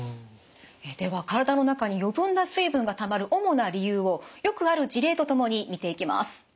では体の中に余分な水分がたまる主な理由をよくある事例とともに見ていきます。